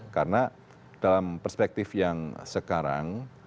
karena dalam perspektif yang sekarang